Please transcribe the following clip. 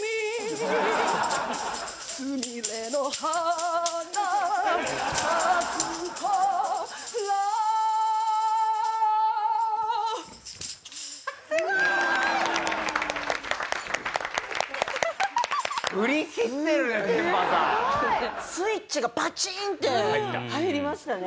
すごい！スイッチがバチンッて入りましたね。